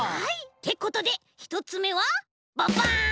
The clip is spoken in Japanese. ってことでひとつめはババン！